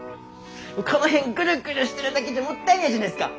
この辺グルグルしてるだけじゃもったいないじゃないですか。